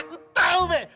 aku tau be